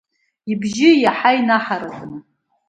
Ибжьы еиҳа инаҳаракны.